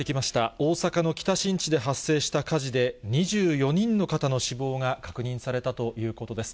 大阪の北新地で発生した火事で、２４人の方の死亡が確認されたということです。